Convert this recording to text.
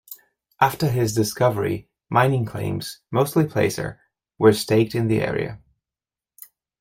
After his discovery, mining claims, mostly placer, were staked in the area.